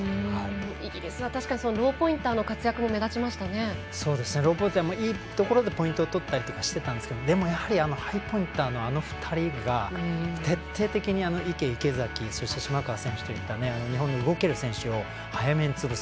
イギリスは確かにローポインターの活躍もローポインターもいいところでポイントをとったりしてたんですけどでもやはりハイポインターの２人が徹底的に池、池崎そして島川選手といった日本の動ける選手を早めに潰す。